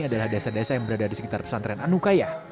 adalah desa desa yang berada di sekitar pesantren anukaya